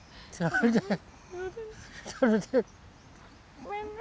ごめんね。